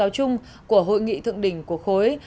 cao chung của hội nghị thượng đỉnh của khối